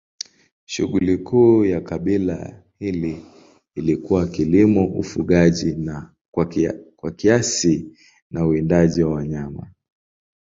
Shughuli kuu ya kabila hili ilikuwa kilimo, ufugaji kwa kiasi na uwindaji wa wanyama.